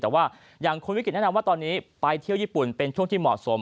แต่ว่าอย่างคุณวิกฤตแนะนำว่าตอนนี้ไปเที่ยวญี่ปุ่นเป็นช่วงที่เหมาะสม